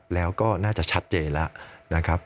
แล้วก็น่าจะชัดเจนแล้ว